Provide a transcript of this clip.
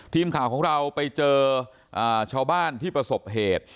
ทีมข่าวของเราไปเจอชาวบ้านที่ประสบเหตุ